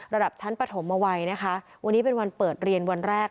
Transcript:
ระดับชั้นปฐมเอาไว้นะคะวันนี้เป็นวันเปิดเรียนวันแรก